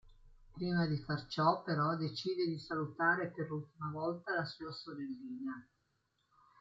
Prima di far ciò però, decide di salutare per l'ultima volta la sua sorellina.